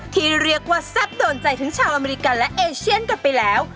ที่เรียกว่าแซ่บโดนใจทั้งชาวอเมริกันและเอเชียนกันไปแล้ว